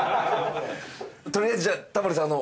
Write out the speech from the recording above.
とりあえずじゃあタモリさん